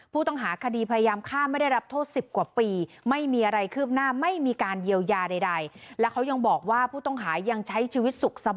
ผู้ต้องหาคดีพยายามฆ่าไม่ได้รับโทษ๑๐กว่าปี